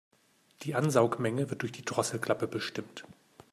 Die Ansaugmenge wird durch die Drosselklappe bestimmt.